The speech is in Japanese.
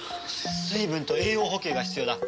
水分と栄養補給が必要だ。